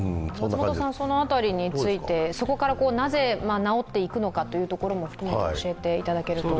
その辺りについて、そこからなぜ治っていくのかも含めて、教えていただけると。